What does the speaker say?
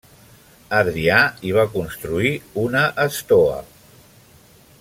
Adrià hi va construir una estoa.